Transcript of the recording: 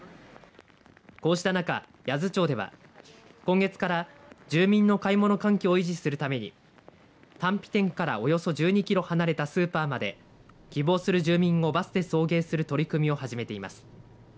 こうした中、八頭町では今月から住民の買い物環境を維持するために丹比店からおよそ１２キロ離れたスーパーまで希望する住民をバスで送迎する取り組みを始めています。